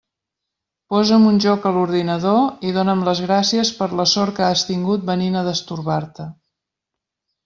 Posa'm un joc a l'ordinador i dóna'm les gràcies per la sort que has tingut venint a «destorbar-te».